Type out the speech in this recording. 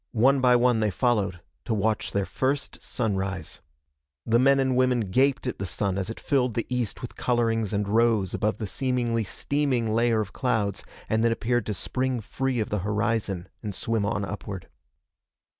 One by one they followed, to watch their first sunrise. The men and women gaped at the sun as it filled the east with colorings and rose above the seemingly steaming layer of clouds and then appeared to spring free of the horizon and swim on upward.